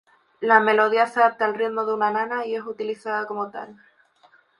La melodía se adapta al ritmo de una nana y es utilizada como tal.